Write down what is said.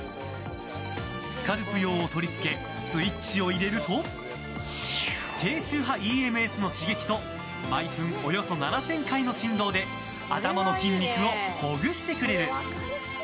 スカルプ用を取り付けスイッチを入れると低周波ＥＭＳの刺激と毎分およそ７０００回の振動で頭の筋肉をほぐしてくれる。